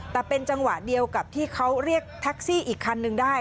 แต่เป็นจังหวะเดียวกับที่เขาเรียกแท็กซี่อีกคันนึงได้